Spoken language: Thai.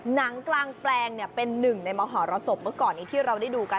หนังกลางแปลงเป็นหนึ่งในมหรสบเมื่อก่อนนี้ที่เราได้ดูกัน